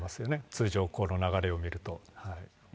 通常、この流れを見ると。